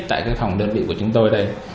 tại cái phòng đơn vị của chúng tôi đây